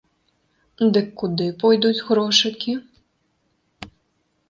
Дык куды пойдуць грошыкі?